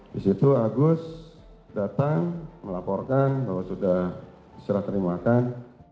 di situ agus datang melaporkan bahwa sudah diseraterimakan